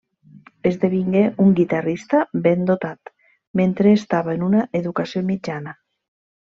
Esdevingué un guitarrista ben dotat mentre estava en una educació mitjana.